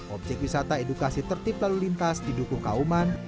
objek wisata edukasi tertip lalu lintas di dukuh kauman